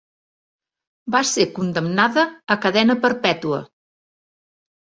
Va ser condemnada a cadena perpètua.